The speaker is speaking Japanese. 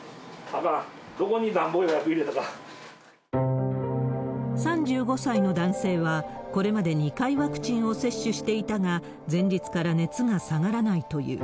あかん、３５歳の男性は、これまで２回ワクチンを接種していたが、前日から熱が下がらないという。